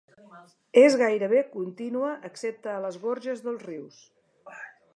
És gairebé contínua excepte a les gorges dels rius.